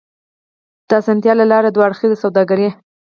د اسانتيا له لارې دوه اړخیزه سوداګري